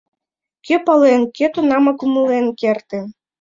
Кӧ пален, кӧ тунамак умылен кертын...